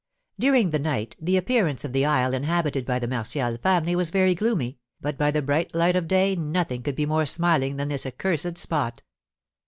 During the night the appearance of the isle inhabited by the Martial family was very gloomy, but by the bright light of day nothing could be more smiling than this accursed spot.